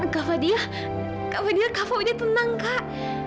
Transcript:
kava dia kava dia kava udah tenang kak